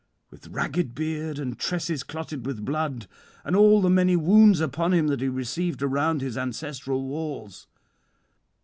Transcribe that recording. with ragged beard and tresses clotted with blood, and all the many wounds upon him that he received around his ancestral walls.